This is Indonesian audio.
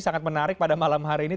sangat menarik pada malam hari ini